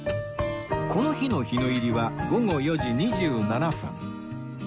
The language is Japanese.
この日の日の入りは午後４時２７分